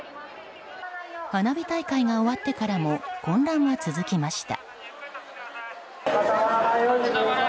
花火大会が終わってからも混乱は続きました。